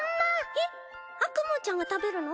えっアクムーちゃんが食べるの？